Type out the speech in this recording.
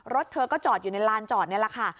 รถเธอก็จอดอยู่ในลานจอดนี่แหละค่ะ